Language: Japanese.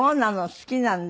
好きなんだ。